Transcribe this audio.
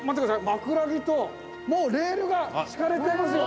枕木ともうレールが敷かれてますよ。